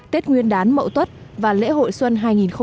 tết nguyên đán mậu tuất và lễ hội xuân hai nghìn một mươi tám